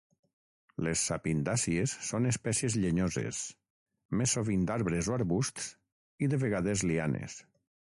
Les sapindàcies són espècies llenyoses, més sovint arbres o arbusts, i de vegades lianes.